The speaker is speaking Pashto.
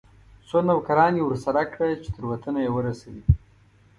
څو نوکران یې ورسره کړه چې تر وطنه یې ورسوي.